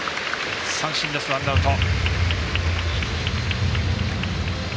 三振、ワンアウト。